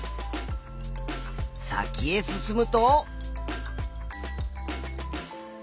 先へ進むと。